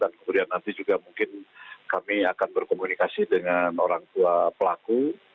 dan kemudian nanti juga mungkin kami akan berkomunikasi dengan orang tua pelaku